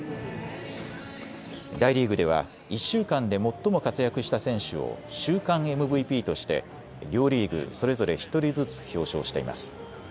大リーグでは１週間で最も活躍した選手を週間ＭＶＰとして両リーグそれぞれ１人ずつ表彰しています。